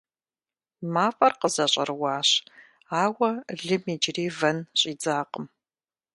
МафӀэр къызэщӀэрыуащ, ауэ лым иджыри вэн щӀидзакъым.